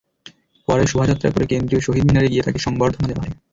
পরে শোভাযাত্রা করে কেন্দ্রীয় শহীদ মিনারে গিয়ে তাঁকে সংবর্ধনা দেওয়া হয়।